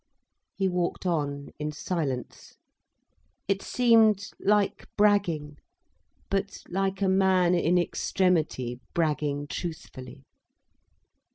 He walked on in silence. It seemed like bragging, but like a man in extremity bragging truthfully.